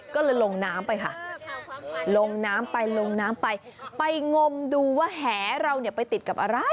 ก็เลยลงน้ำไปค่ะลงน้ำไปลงน้ำไปไปงมดูว่าแหเราเนี่ยไปติดกับอะไร